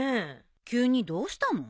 急にどうしたの？